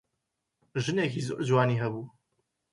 ژنێکی زۆر جوانی هەبوو.